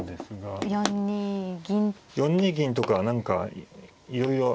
４二銀とかは何かいろいろ。